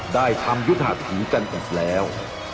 ได้ทำยศหัสผีกันอีกแล้ว